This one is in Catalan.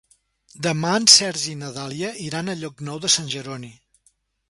Demà en Sergi i na Dàlia iran a Llocnou de Sant Jeroni.